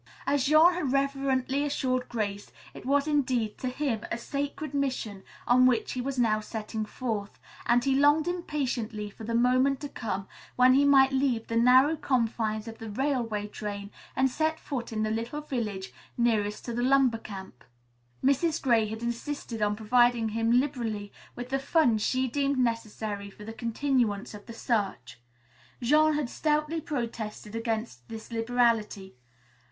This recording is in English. As Jean had reverently assured Grace, it was indeed, to him, a sacred mission on which he was now setting forth, and he longed impatiently for the moment to come when he might leave the narrow confines of the railway train and set foot in the little village nearest to the lumber camp. Mrs. Gray had insisted on providing him liberally with the funds she deemed necessary for the continuance of the search. Jean had stoutly protested against this liberality.